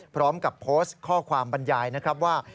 พร้อมกับโพสต์ข้อความบรรยายนะครับว่า